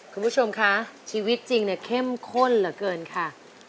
คุณผู้ชมคะชีวิตจริงเนี่ยเข้มข้นเหลือเกินค่ะ